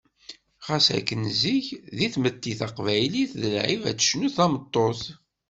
Ɣas akken zik, deg tmetti taqbaylit d lɛib ad tecnu tameṭṭut.